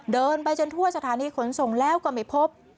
เดินไปจนทั่วสถานีขนส่งแล้วก็ไม่พบ